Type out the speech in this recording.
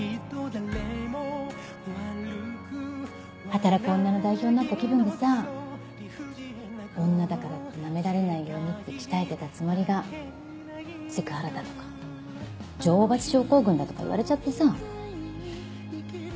働く女の代表になった気分でさ女だからってナメられないようにって鍛えてたつもりがセクハラだとか女王蜂症候群だとか言われちゃってさ。